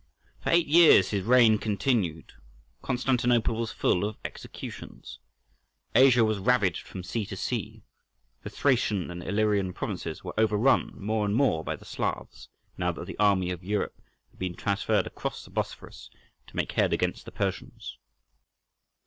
For eight years his reign continued: Constantinople was full of executions; Asia was ravaged from sea to sea; the Thracian and Illyrian provinces were overrun more and more by the Slavs, now that the army of Europe had been transferred across the Bosphorus to make head against the Persians.